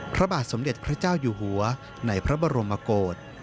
พระบาทสมเด็จพระเจ้าอยู่หัวในพระบรมโกศ